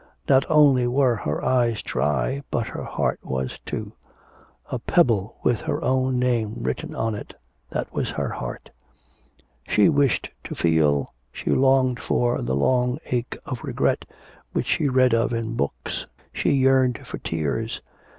Not only were her eyes dry, but her heart was too. A pebble with her own name written on it, that was her heart. She wished to feel, she longed for the long ache of regret which she read of in books, she yearned for tears.